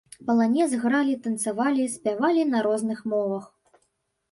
Паланез гралі, танцавалі, спявалі на розных мовах.